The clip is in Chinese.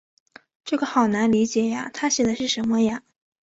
这个好难理解呀，她写的是什么呀？